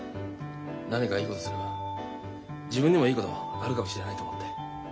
何かいいことすれば自分にもいいことあるかもしれないと思って。